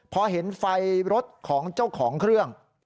พอเห็นไฟรถของเจ้าของเครื่อง